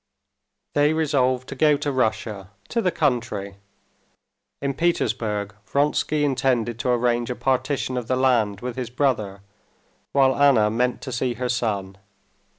They resolved to go to Russia, to the country. In Petersburg Vronsky intended to arrange a partition of the land with his brother, while Anna meant to see her son.